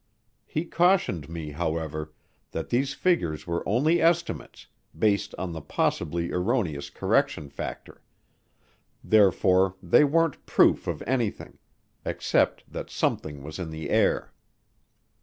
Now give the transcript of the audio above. He cautioned me, however, that these figures were only estimates, based on the possibly erroneous correction factor; therefore they weren't proof of anything except that something was in the air.